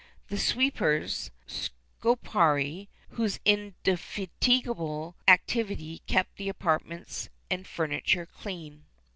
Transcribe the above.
[XXXIII 30] The sweepers (scoparii), whose indefatigable activity kept the apartments and furniture clean.